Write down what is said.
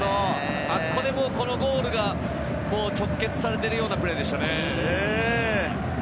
このゴールがもう直結されているようなプレーでしたね。